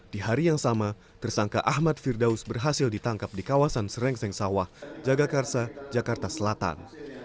di hari yang sama tersangka ahmad firdaus berhasil ditangkap di kawasan serengseng sawah jagakarsa jakarta selatan